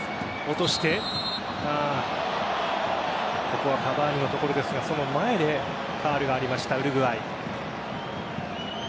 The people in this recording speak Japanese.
ここはカヴァーニのところですがその前でファウルがありましたウルグアイ。